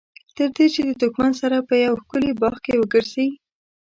تر دې چې د دښمن سره په یوه ښکلي باغ کې وګرځي.